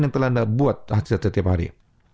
yang telah anda buat akses setiap hari